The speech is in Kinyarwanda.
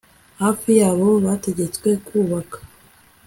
Hafi yabo bategetswe kubaka